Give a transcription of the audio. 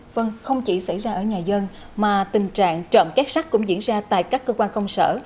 vâng không chỉ xảy ra ở nhà dân mà tình trạng trộm cắp sách cũng diễn ra tại các cơ quan công sở